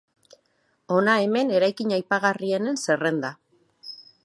Hona hemen eraikin aipagarrienen zerrenda.